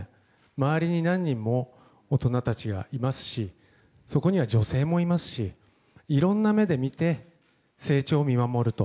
周りに何人も大人たちがいますしそこには女性もいますしいろんな目で見て成長を見守ると。